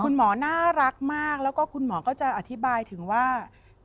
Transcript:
คุณหมอน่ารักมากแล้วก็คุณหมอก็จะอธิบายถึงว่า